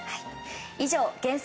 以上、厳選！